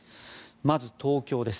まず、東京です。